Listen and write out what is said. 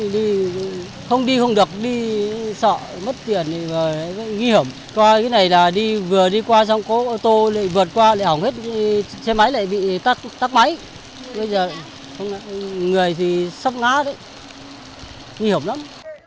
bây giờ người thì sắp ngá đấy nguy hiểm lắm